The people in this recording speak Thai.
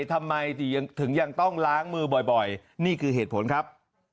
ทำไมถึงยังต้องล้างมือบ่อยนี่คือเหตุผลครับ